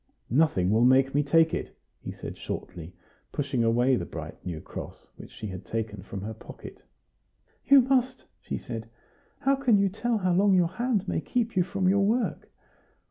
"Nothing will make me take it," he said shortly, pushing away the bright new cross, which she had taken from her pocket. "You must," she said; "how can you tell how long your hand may keep you from your work?